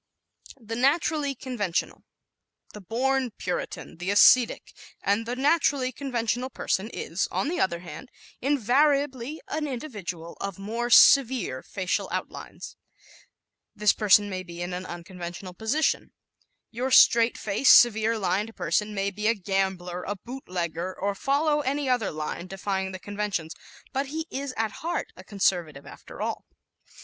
The Naturally Conventional ¶ The "born Puritan," the ascetic, and the naturally conventional person is, on the other hand, invariably an individual of more severe facial outlines. This person may be in an unconventional position; your straight faced, severe lined person may be a gambler, a boot legger, or follow any other line defying the conventions; but he is at heart a conservative after all.